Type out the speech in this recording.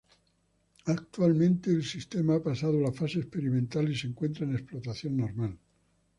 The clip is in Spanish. Actualmente el sistema ha pasado la fase experimental y se encuentra en explotación normal.